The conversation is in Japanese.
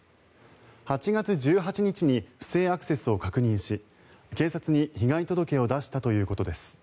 ８月１８日に不正アクセスを確認し警察に被害届を出したということです。